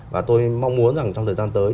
và tôi mong muốn rằng trong thời gian tới